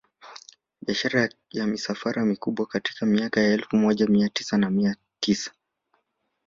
Biashara ya misafara mikubwa katika miaka ya elfu moja na mia tisa